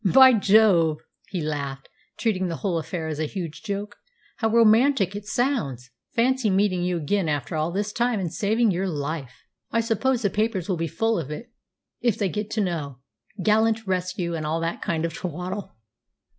"By Jove!" he laughed, treating the whole affair as a huge joke, "how romantic it sounds! Fancy meeting you again after all this time, and saving your life! I suppose the papers will be full of it if they get to know gallant rescue, and all that kind of twaddle."